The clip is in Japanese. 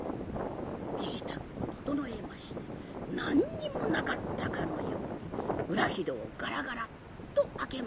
身支度を整えまして何にもなかったかのように裏木戸をガラガラッと開けました。